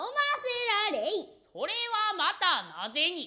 それはまたなぜに。